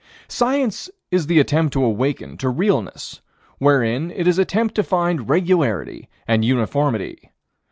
Science is the attempt to awaken to realness, wherein it is attempt to find regularity and uniformity.